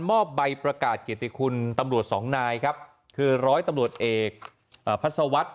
มอบใบประกาศเกียรติคุณตำรวจสองนายครับคือร้อยตำรวจเอกพัศวรรษ